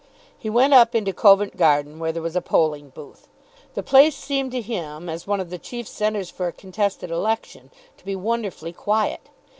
He went up into Covent Garden, where there was a polling booth. The place seemed to him, as one of the chief centres for a contested election, to be wonderfully quiet.